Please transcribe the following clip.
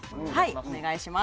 お願いします。